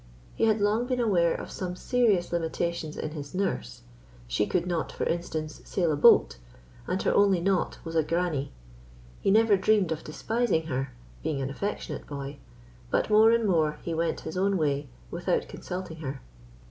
He had long been aware of some serious limitations in his nurse: she could not, for instance, sail a boat, and her only knot was a "granny." He never dreamed of despising her, being an affectionate boy; but more and more he went his own way without consulting her.